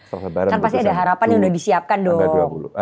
kan pasti ada harapan yang sudah disiapkan dong